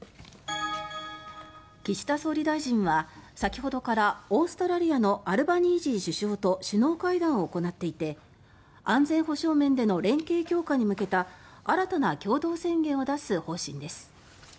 岸田総理大臣は、先ほどからオーストラリアのアルバニージー首相と首脳会談を行っていて安全保障面での連携強化に向けた新たな共同宣言を出す方針です。